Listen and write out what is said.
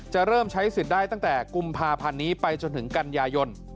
เริ่มใช้สิทธิ์ได้ตั้งแต่กุมภาพันธ์นี้ไปจนถึงกันยายน